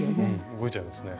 動いちゃいますね。